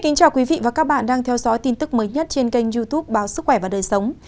xin chào quý vị và các bạn đang theo dõi tin tức mới nhất trên kênh youtube báo sức khỏe và đời sống